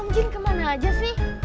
amdin kemana aja sih